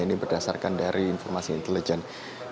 yang pelatihan terkait konvensional yang telah anda sebutkan sebelumnya